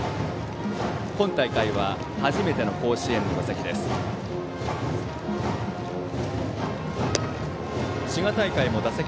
今大会は初めての甲子園の打席。